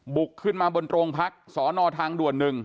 ขึ้นมาบนโรงพักสอนอทางด่วน๑